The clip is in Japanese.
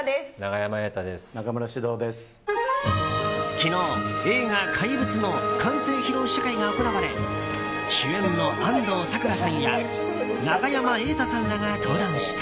昨日、映画「怪物」の完成披露試写会が行われ主演の安藤サクラさんや永山瑛太さんらが登壇した。